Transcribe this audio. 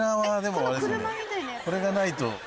これがないと。